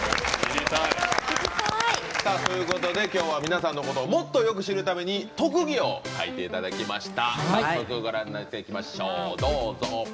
今日は皆さんのことをもっとよく知るために特技を書いていただきました。